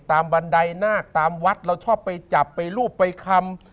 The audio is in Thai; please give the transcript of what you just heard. บันไดนาคตามวัดเราชอบไปจับไปรูปไปคำ